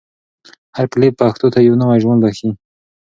هر کلیپ پښتو ته یو نوی ژوند بښي.